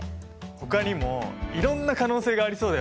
ほかにもいろんな可能性がありそうだよね。